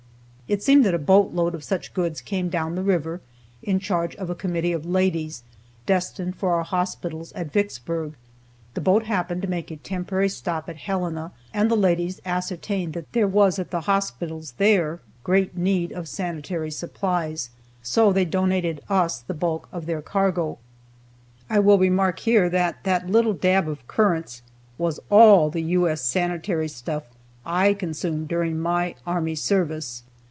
It seemed that a boat load of such goods came down the river, in charge of a committee of ladies, destined for our hospitals at Vicksburg. The boat happened to make a temporary stop at Helena, and the ladies ascertained that there was at the hospitals there great need of sanitary supplies, so they donated us the bulk of their cargo. I will remark here that that little dab of currants was all the U.S. Sanitary stuff I consumed during my army service.